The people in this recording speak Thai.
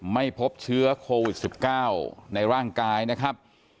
ไม่พบเชื้อโควิด๑๙ในร่างกายนะครับ